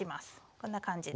こんな感じで。